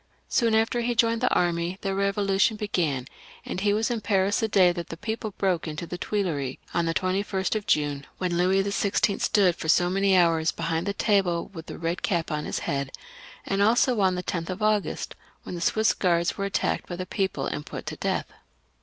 Soon after he joined the army the Eevolution began, and he was in Paris the day that the people broke into the Tuileries, on the 21st of June, when Louis XVI. stood for so many hours behind the table with the red cap on his head ; and also on the 10th of August, when the Swiss Guards were attacked by the people and put to death.